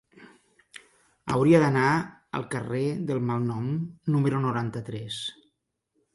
Hauria d'anar al carrer del Malnom número noranta-tres.